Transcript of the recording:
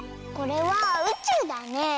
これはうちゅうだね。